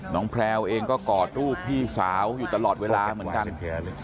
แพลวเองก็กอดรูปพี่สาวอยู่ตลอดเวลาเหมือนกัน